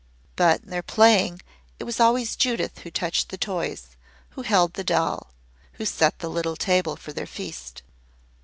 But in their playing it was always Judith who touched the toys who held the doll who set the little table for their feast.